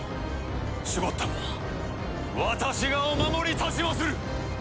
シュゴッダムは私がお守りいたしまする。